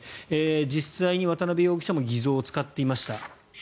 実際に渡邉容疑者も偽造を使っていました。